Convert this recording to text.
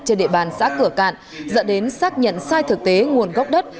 trên địa bàn xã cửa cạn dẫn đến xác nhận sai thực tế nguồn gốc đất